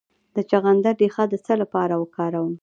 د چغندر ریښه د څه لپاره وکاروم؟